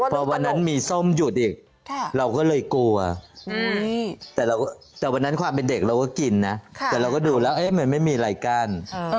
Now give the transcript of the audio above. พอวันนั้นมีส้มหยุดอีกเราก็เลยกลัวแต่วันนั้นความเป็นเด็กเราก็กินนะแต่เราก็ดูแล้วมันไม่มีอะไรกั้น